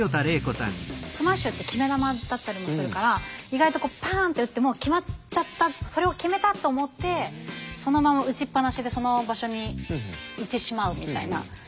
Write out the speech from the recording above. スマッシュって決め球だったりもするから意外とこうパンって打ってもう決まっちゃったそれを決めたと思ってそのまま打ちっぱなしでその場所にいてしまうみたいな。